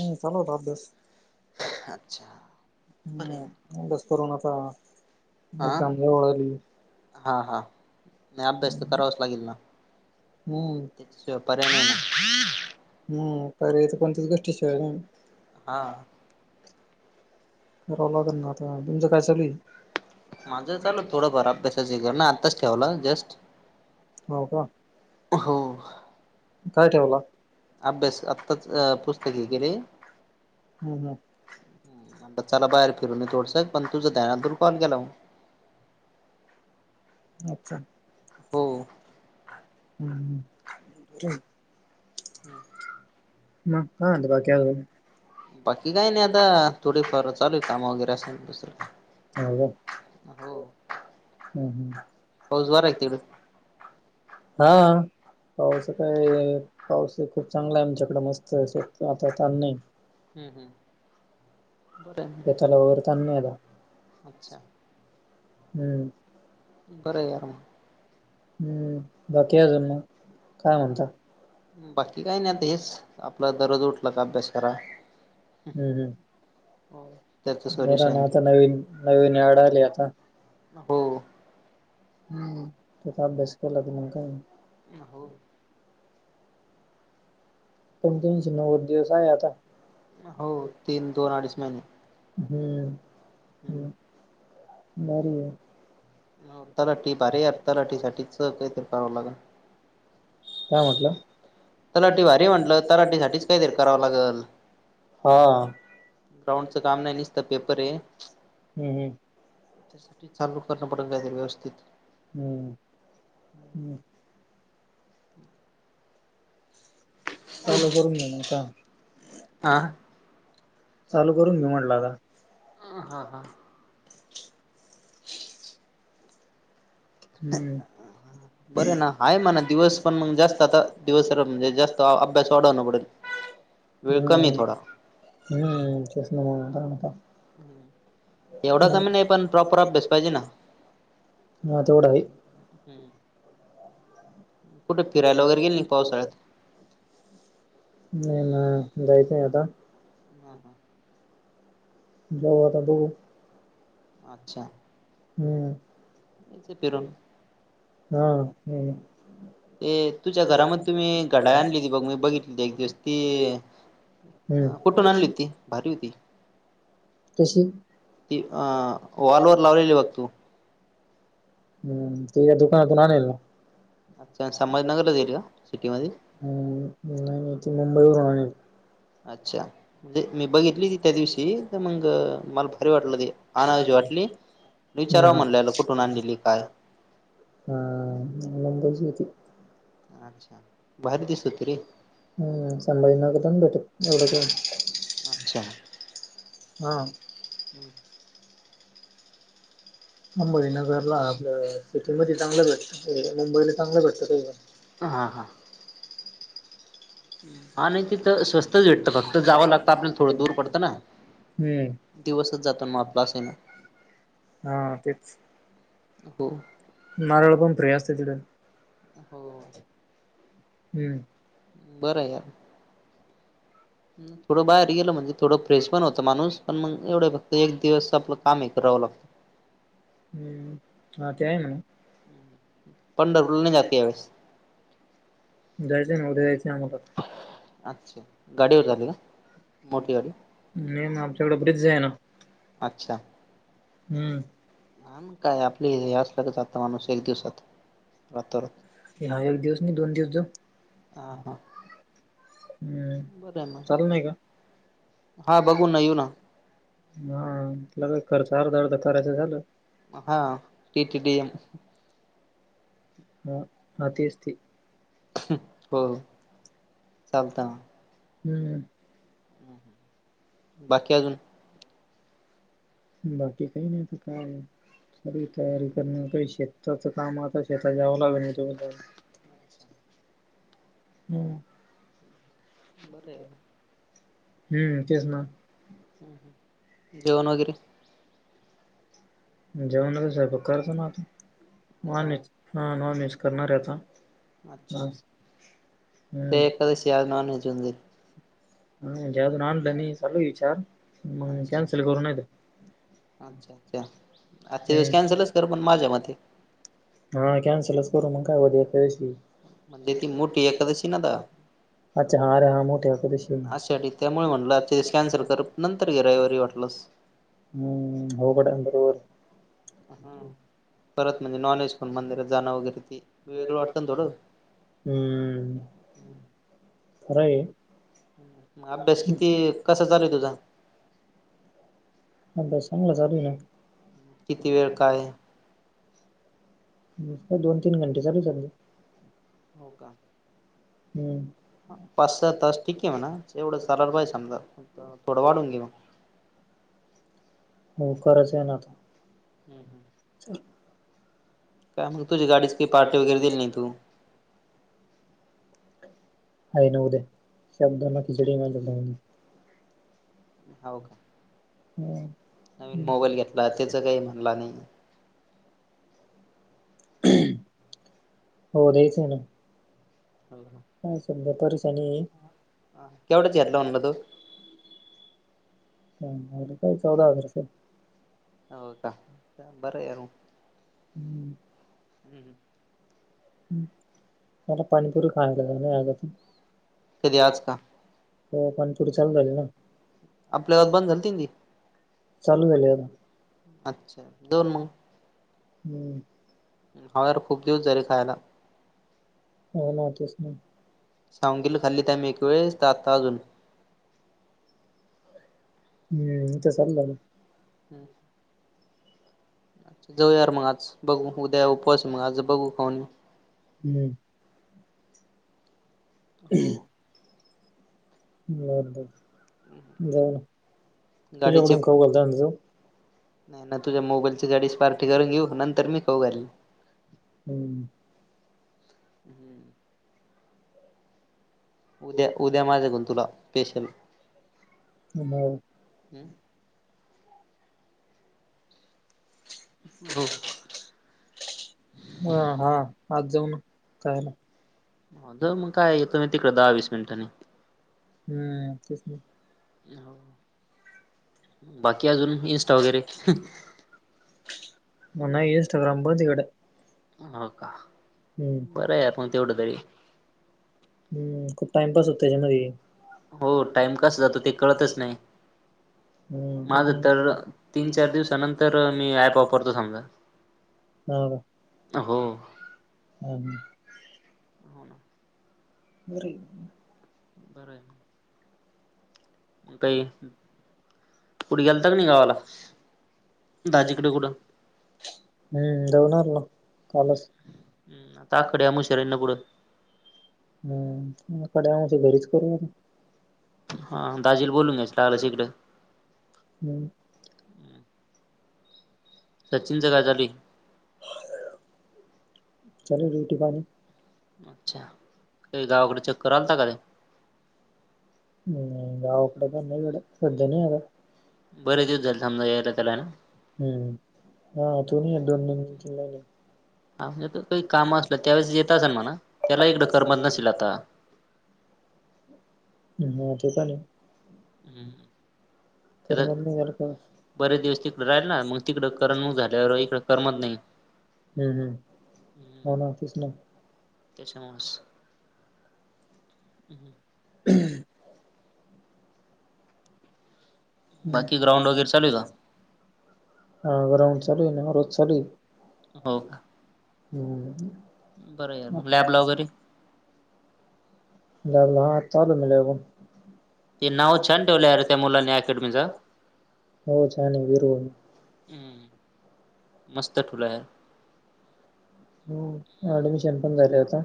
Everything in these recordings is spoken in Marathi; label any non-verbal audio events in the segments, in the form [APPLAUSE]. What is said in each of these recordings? हू चालू होता अभ्यास अच्छा बरे हू उगच करुणाचा हा हा हा नाही अभ्यास तर करावाच लागेल ना हू त्याच्याशिवाय पर्याय नाही ना हू पर्याय च कोणत घर दिसतंय आणि ना हा करावं लागलं ना आता तुमचं काय चालूय माझं चालू थोडंफार अभ्यासाचे करन आत्ताच ठेवला जस्ट हो का हो काय ठेवला अभ्यास आत्ताच पुस्तक हे केले हू हू म्हटलं चला बाहेर फिरून येऊ थोडसं पण तुझं काय आतून कॉल केलाव् अच्छा हो हू [INAUDIBLE] मग काय झालं बाकी अजून बाकी काय नाही आता थोडीफार चालूय काम वगैरे असेल दुसरं हो काय का हो हू हू हू पाऊस वार हाय का तिकड हां पाऊस काय पाऊस खुप चांगला आहे आमच्याकड मस्त आहे असं आता ताण नाही. हम्म हम्म बरं [UNINTELLIGIBLE] ताण आहे नाही आता अच्छा हम्म बरं यार मग हम्म बाकी आजुन मग काय म्हणता? बाकी काय नाही आता हेच आपला दररोज उठला का अभ्यास करा. हम्म त्याचं हम् बर सोल्युशन ना आता करा. नवीन नवीन ऍड आली आता. हो हम्म तिथं अभ्यास केला की मग काय नाही. हो पण तीनशे नव्वद दिवस आहे आता हो तीन दोन अडीच महिने [INAUDIBLE] हम्म हम् भारी आहे. तलाठी भारी आता तलाठी साठीच काहीतरी करावं लागल. काय म्हनटला तलाठी भारी म्हटलं तलाठीसाठीच कायतरी करावं लागल. हा हम्म ग्राउंडच काम नाही निसत पेपर आहे हम्म हम्म चालु करणं पडल काहीतरी व्यवस्थित हम्म हम हम् [INAUDIBLE] चालु करून घेन आता हा चालु करून घे म्हटलं आता. हा हा हा हम्म बरे ना आहे म्हना दिवस पण मग जास्त आता दिवस जास्त अभ्यास वाढवणं पडल. वेळ कमीय हम्म. थोडा हम्म तेच ना हा आता एवढा कमी नाही पण प्रॉपर अभ्यास पाहिजे ना. हा तेवढं आहे. हम्म कुठे फिरायला वेगैरे गेले नाही पावसाळ्यात? नाही न जायचंय आता. हा हा जाऊ आता बघु. अच्छा हम्म यायचं फिरून. हा हम्म ऐ तुझ्या घरामध्ये तुम्ही घड्याळ आणली ती बघ मी बघितली ती एक दिवस ती हम्म कुठून आणली होती भारी होती. कशी ती अं वॉलवर लावलेली बघ तु. हम्म ती या दुकानातून आणेल ना. अच्छा संभाजीनगरला घेईल का सिटी मध्ये. नाही नाही, ती मुंबईवरून आणेल आहे. अच्छा मी बघितली होती त्या दिवशी, तर मग मला तर वाटलं ते आनवीशी वाटली विचारावं म्हणलेलं ह्याला कुठून आणली, काय हा, नंदची होती. अच्छा. भारी दिसत होती रे. हम्म, संभज नक भट एवढच. [UNINTELLIGIBLE] अच्छा. हां. हम्म. मुंबई नगरला आपलं सिटीमध्ये चांगलं भेटतं, मुंबईला चांगलं भेटतं काही पण. हा हा हा नाही तिथं स्वस्तच भेटतं, फक्त जावं लागतं आपल्याला थोडं दूर पडतं ना. हम्म. दिवसच जातो ना म आपला अस ना. हा तेच. हो. नारळ पण फ्री असतं तिगडं, हो हम्म. बरंय यार. थोडं बाहेर गेल म्हणजे थोडं फ्रेश पण होतं माणूस, पण मग एवढं फक्त एक दिवस आपलं काम हे करावं लागतं. [INAUDIBLE] हम्म,, हा ते आहे म्हणा. पंढरपुरल नाही जात का या वेळेस.? जायचंय ना, उद्या जायचंय आम्हाला. अच्छा, गाडीवर जाते का? मोठी गाडी नाही ना, आमच्याकडं ब्रिजजा आहे ना. अच्छा. हम्म. हा मंग काय आपले हे असलं का जातं माणूस एक दिवसात, रातोरात. हा एक दिवस नि दोन दिवस हा जाऊ. हा. हम्म, बरं आहे चालू मग नाही का? हा बघू ना येऊ ना हा, त्याला काय खर्च अर्ध-अर्ध करायचं झालं. ह, टि टिडीएम. हा हा तेच ते. हो. चालतं हम्म. बाकी अजून? बाकी काही, नाही तर काय? तरी तयारी करण शेताच काम आता शेतात जावं लागल नाही तो अच्छा. हम्मं. बरंय. हम्म तेच ना हम्मं हम्म, जेवण वगैरे? जेवण वगैरे स्वयंपाक करतो ना आता, नॉनव्हेज हो हां नॉनव्हेज करणाऱे आता. ह अच्छा हम्म. जेवण जाईल. नाही म्हणजे अजून आणलं नाही, चालू आहे विचार मंग कॅन्सल करू नाहीतर. अच्छा-अच्छा, आजच्या दिवस तर कॅन्सलच कर पण माझ्या मते. हा कॅन्सलच करू मग काय उद्या एकादशी आहे. म्हणजे ती मोठी एकादशी ना आता.? अच्छा हा अरे हा मोठ्या एकादशी आहे आषाढी त्यामुळे म्हणलं आजच्या दिवस कॅन्सलच तर नंतर घे रविवारी वाटलंस. हं अवघड आणलं रविवारी. ह परत म्हणजे नॉनव्हेज खाऊन मंदिरात जाणं वगैरे ती वेगळं वाटतं ना थोडं. हं.... हं... खरायं. मग अभ्यास किती, कसा चालू आहे तुझा?. अभ्यास चांगला चालू आहे ना. किती वेळ, काय? नुसता दोन तीन घंटे चालूच आहे. हो, का. हं.. पाच-सहा तास ठीक आहे म्हणा, एवढं चालाला पाहिजे समजा थोडं वाढून घे मग. हो करायचं ना आता. हं काय मग तुझ्या गाडीची की पार्टी वगैरे दिली नाही तू. हाय ना उद्या साबुदाणा खिचडी [UNINTELLIGIBLE] हाव, का. हू... नवीन मोबाईल घेतला त्याचं काही म्हणला नाही. [UNINTELLIGIBLE] हो द्याचं ना. हं आहे सध्या तरीच आणि [UNINTELLIGIBLE] केवढ्याच घेतला म्हणला तो माझा पण चौदा हजाराचा आहे. हो, का. काय बरांय यार मग. ह.. हं.. हं.. मला पानीपुरी खायला [UNINTELLIGIBLE] कधी यार, आज का हो पाणीपुरी चालू झाली ना. आपल्या गावात आपल्याला बंद नाय. झालती ना ती चालू झाली आता. अच्छा, दोन मग. हू... हा यार खूप दिवस झाले खायाला हो, ना. तेच, ना. सागवीला खाल्लीती आम्ही एक वेळेस ती आता अजून हं.. इथं चालू झाली. ह... जाऊया यार मग आज, बघू उद्या उपवास मग आज बघू खाऊन. हं.. हो [UNINTELLIGIBLE] [INAUDIBLE] बर, बर, बरं जाऊन गाडीचे तुझ्याकडून [INAUDIBLE] खाऊ घालतो का आम्ही जाऊ नाही, नाही तुझ्या मोबाईलची गाडीची पार्टी करून घेऊ, नंतर मी खाऊ घालीन. हम्म. हम्म. उद्या, उद्या माझा कडून तुला स्पेशल. हो हो. ह हा आज जाऊ ना काय [INAUDIBLE] झालं हो द मग काय येतो मी तिकडे [INAUDIBLE] वीस मिनिटांनी. हम्म. तेच नाही. बाकी अजून इंस्टा वगैरे, [INAUDIBLE] नाही इन्स्ट्राग्राम बंद [INAUDIBLE] गाड्या हो का, बरं आहे मग तेवढं तरी. हम्म खूप टाइमपास होतो त्याच्यामध्ये. हो टाइम कस जातो ते कळतच नाही. हम्म माझं त्याच्यामध्ये तर तीन, चार दिवसानंतर मी ऍप वापरतो समजा. [UNINTELLIGIBLE] [INAUDIBLE] ह का हो. हम [UNINTELLIGIBLE] [INAUDIBLE] बरी. बरं. काही कुढे गेलत का नाही गावाला दाजीकडे कुठं. हम्म, दऊणार ना कालच [INAUDIBLE] हम्म आता आकडे या मुशऱ्यांना पुढं हम्. [INAUDIBLE] आकडे आशी घरीच करू हा दाजील बोलून घ्यायच लागलं त इिकडें. हम्. [UNINTELLIGIBLE] [INAUDIBLE] गजल [INAUDIBLE] [UNINTELLIGIBLE] चल रोटी पाणी अच्छा! गावाकडे चक्ककर [INAUDIBLE] काध हम् गावकडे [INAUDIBLE] त्यां नाहीडे फेडद नाही [INAUDIBLE] आहे का [UNINTELLIGIBLE] [INAUDIBLE] बरेच दिवस झाले समजा यायला त्याला ना. हम्म आहे दोनज किल्लाने [INAUDIBLE] हा म्हे काही काम असलं त्यावेेळेस येत म्हणा. त्याला करमत नसेल आता. हा तेकणी. हम्म. [UNINTELLIGIBLE] [INAUDIBLE] कर त्याला नाही वर बरेच दिवस तिकडे राहील ना मग तिकडं करमणूक झाल्यावर इकडं करमत नाही हम्म, हम्म हो ना [INAUDIBLE] तच ना त्याच्या [INAUDIBLE] मस हम्म. [UNINTELLIGIBLE] [INAUDIBLE] हम्म. बाकी ग्राउंड वगैरे चालू आहे का? हा ग्राउंड [INAUDIBLE] चाू आहे. रोज [INAUDIBLE] चाू आहे. हो का? हम्म. बरं यार मग लॅबला वगैरे, लावलं ह [INAUDIBLE] तल मलागो [INAUDIBLE] ते नाव छान ठेवलं यार त्या मुलांनी अकॅडमीचा हो छान आहे विर. हम्. मस्त ठुलं आहे. हम्म ऍडमिशन पण झाले आता.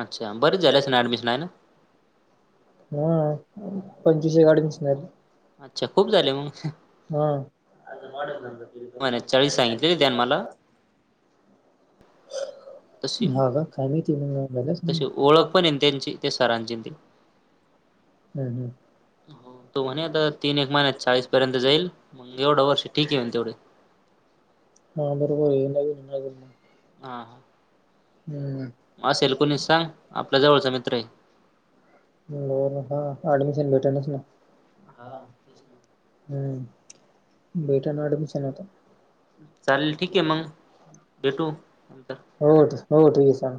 अच्छा बरच झालं असेल ऍडमिशन आहे ना. हा पंचवीस एक ऍडमिशन झाले. अच्छा खूप झाले मग. हा म्हणे चाळीस सांगितलेले त्यानं मला [UNINTELLIGIBLE] तशी हा का, तशी [UNINTELLIGIBLE] ओळख पण हाय त्यांची त्यां सरांची ते. हम्म हम्म. हो तो म्हणे आता तीन एक महिन्यात चाळीस पर्यंत जाईल मग एवढं वर्ष ठीक येईन तेवढ हां बरोबर [UNINTELLIGIBLE] हा. हम्म. मग असेल कुणीच सांग आपल्या जवळचा मित्र आहे. [UNINTELLIGIBLE] भेटनच ना हा तेच ना. हम्म बेटन [UNINTELLIGIBLE] चालेल ठीक आहे मंग भेटू नंतर हो हो ठीक आहे सांग.